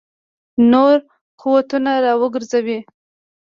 نور قوتونه را وګرځوي.